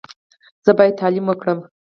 زه باید تعلیم وکړم.